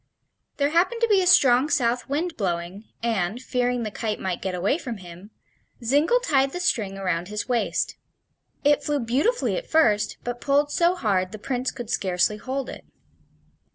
There happened to be a strong south wind blowing and, fearing the kite might get away from him, Zingle tied the string around his waist. It flew beautifully at first, but pulled so hard the Prince could scarcely hold it.